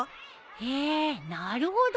へえなるほど。